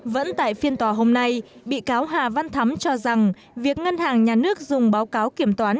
vẫn tại phiên tòa hôm nay bị cáo hà văn thắm cho rằng việc ngân hàng nhà nước dùng báo cáo kiểm toán